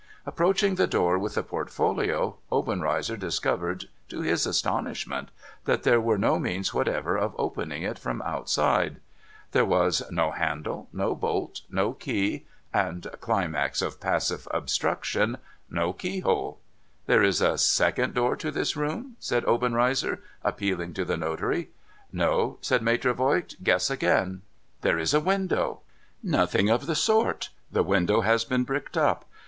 Approaching the door, with the portfolio, Obenreizer discovered, to his astonishment, that there were no means whatever of opening it from the outside. There HOW MAITRE VOIGT defied thieves 56J was no handle, no bolt, no key, and (climax of passive obstruction !) no keyhole. ' There is a second door to this room ?' said Obenreizer, appealing to the notary. ' No,' said Maitre Voigt. ' Guess again,' ' There is a window ?'' Nothing of the sort. The window has been bricked up.